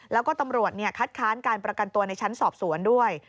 แล้วก็ตำรวจคัดค้านการประกันตัวในชั้นสอบสวนด้วย